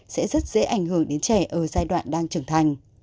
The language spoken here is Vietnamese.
sẽ rất dễ ảnh hưởng đến trẻ ở giai đoạn đang trưởng thành